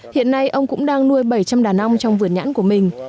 hiện nay ông cũng đang nuôi bảy trăm linh đàn ông trong vườn nhãn của mình